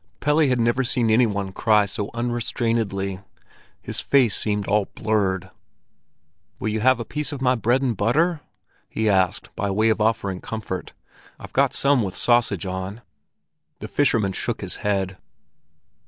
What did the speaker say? Pelle had never seen any one cry so unrestrainedly. His face seemed all blurred. "Will you have a piece of my bread and butter?" he asked, by way of offering comfort. "I've got some with sausage on." The fisherman shook his head.